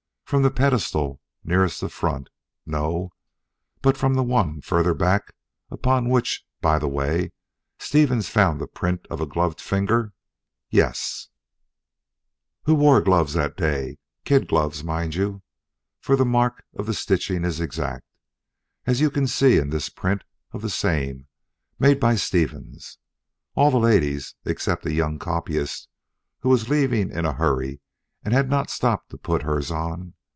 From the pedestal nearest the front, no; but from the one further back upon which, by the way, Stevens found the print of a gloved finger yes. "Who wore gloves that day kid gloves, mind you, for the mark of the stitching is exact, as you can see in this print of the same made by Stevens? All the ladies, except a young copyist who was leaving in a hurry and had not stopped to put hers on.